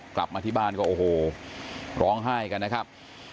กลับมาที่บ้านก็โอ้โหร้องไห้กันนะครับ